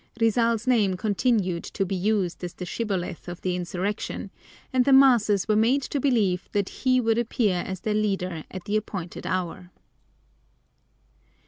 Rizal's name continued to be used as the shibboleth of the insurrection, and the masses were made to believe that he would appear as their leader at the appointed hour.